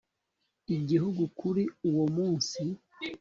igihugu kuri uwo munsi